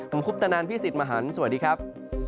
ผมคุปตนันพี่สิทธิ์มหันฯสวัสดีครับ